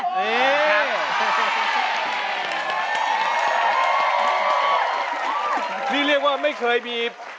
นี่เรียกว่าไม่เคยมี